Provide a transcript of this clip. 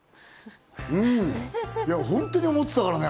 本当に思ってたからね。